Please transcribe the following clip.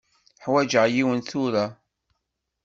Ḥwaǧeɣ yiwen tura.